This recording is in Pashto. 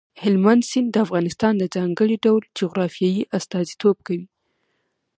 هلمند سیند د افغانستان د ځانګړي ډول جغرافیې استازیتوب کوي.